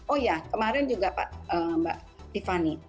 oh ya kemarin juga mbak tiffany